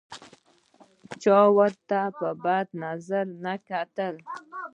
چا ورته په بد نظر نه کتل.